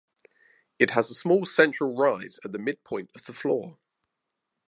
It has a small central rise at the midpoint of the floor.